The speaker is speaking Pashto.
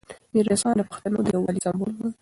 میرویس خان د پښتنو د یووالي سمبول و.